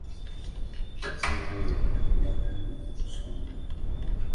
Si nze nzekka eyagaanyi okusonda.